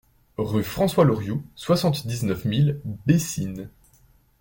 Rue François Lorioux, soixante-dix-neuf mille Bessines